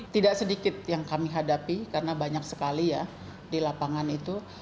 tidak sedikit yang kami hadapi karena banyak sekali ya di lapangan itu